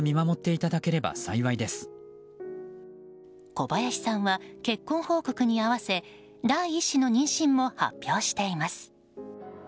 小林さんは結婚報告に合わせ第１子の妊娠も発表しています。